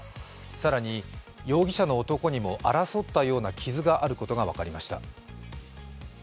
更に、容疑者の男にも争ったような傷があることが分かりました。